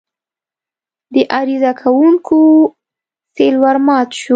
د عریضه کوونکو سېل ورمات شو.